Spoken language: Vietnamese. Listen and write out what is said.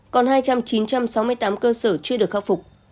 còn hai chín trăm sáu mươi tám cơ sở chưa được khắc phục